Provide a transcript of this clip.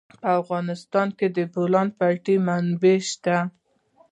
په افغانستان کې د د بولان پټي منابع شته.